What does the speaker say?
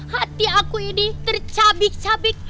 hati aku ini tercabik cabik